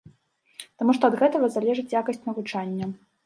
Таму што ад гэтага залежыць якасць навучання.